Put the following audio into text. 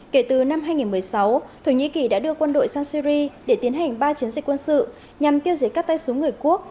kể từ năm hai nghìn một mươi sáu thổ nhĩ kỳ đã đưa quân đội sang syri để tiến hành ba chiến dịch quân sự nhằm tiêu diệt các tay súng người quốc